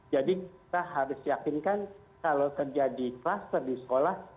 jadi kita harus yakinkan kalau terjadi cluster di sekolah